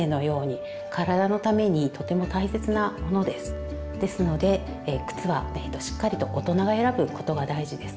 実はですので靴はしっかりと大人が選ぶことが大事です。